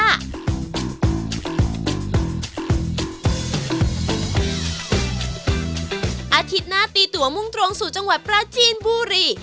อาทิตย์หน้าตีตัวมุ่งตรงสู่จังหวัดปราจีนบุรี